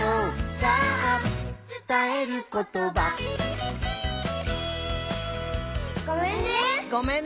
さあつたえることば」「ごめんね」